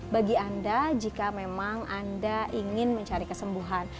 bagi anda jika memang anda ingin mencari kesembuhan